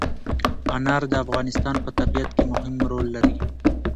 انار د افغانستان په طبیعت کې مهم رول لري.